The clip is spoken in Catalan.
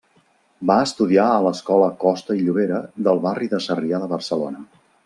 Va estudiar a l'Escola Costa i Llobera del barri de Sarrià de Barcelona.